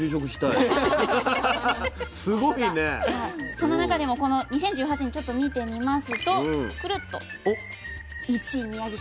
その中でもこの２０１８年ちょっと見てみますと１位宮城県。